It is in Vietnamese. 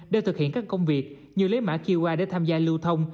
để thực hiện các công việc như lấy mã qa để tham gia lưu thông